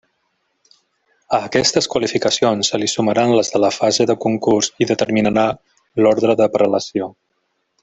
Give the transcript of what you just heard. A aquestes qualificacions se li sumaran les de la fase de concurs i determinarà l'ordre de prelació.